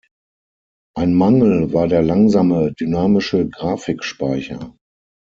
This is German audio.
Ein Mangel war der langsame dynamische Grafikspeicher.